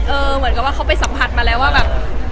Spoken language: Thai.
เหมือนกับว่าเขาไปสัมผัสมาแล้วว่าแบบ